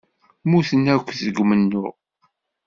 Mmuten akk deg umennuɣ.